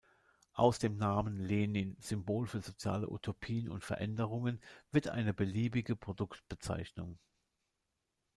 Aus dem Namen "Lenin", Symbol für soziale Utopien und Veränderungen, wird eine beliebige Produktbezeichnung.